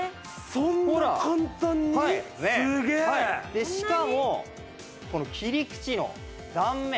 でしかもこの切り口の断面。